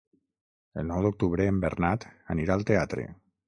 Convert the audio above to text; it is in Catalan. El nou d'octubre en Bernat anirà al teatre.